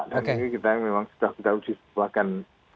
dan ini kita memang sudah kita usipkan